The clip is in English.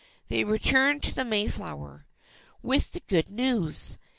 They returned to the Mayflower, with the good news.